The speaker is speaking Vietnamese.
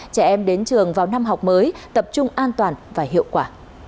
trẻ em đến trường vào năm học mới tập trung an toàn và hiệu quả